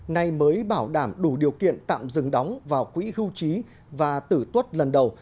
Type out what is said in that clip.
nay mới bảo đảm đủ điều kiện tạm dừng đóng vào quỹ hưu trí và tử tuất lần đầu